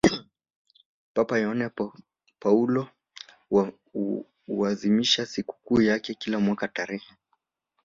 papa yohane paulo huazimisha sikukuu yake kila mwaka tarehe